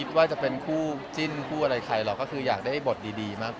แสวได้ไงของเราก็เชียนนักอยู่ค่ะเป็นผู้ร่วมงานที่ดีมาก